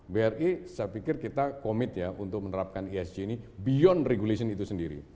bri saya pikir kita komit ya untuk menerapkan esg ini beyond regulation itu sendiri